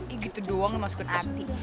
ya gitu doang lo masuk ke dalam hati